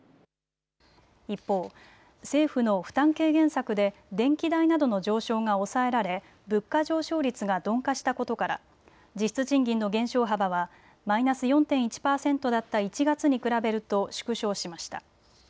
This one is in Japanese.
一方、政府の負担軽減策で電気代などの上昇が抑えられ物価上昇率が鈍化したことから実質賃金の減少幅はマイナス４．１％だった１月に比べると縮小しました。